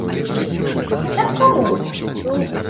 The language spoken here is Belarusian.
А хаця б каму!